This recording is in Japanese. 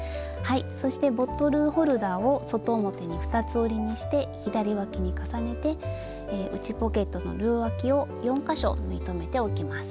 そしてボトルホルダーを外表に二つ折りにして左わきに重ねて内ポケットの両わきを４か所縫い留めておきます。